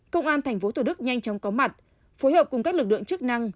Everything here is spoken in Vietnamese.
công an thành phố thủ đức nhanh chóng có mặt phối hợp cùng các lực lượng chức năng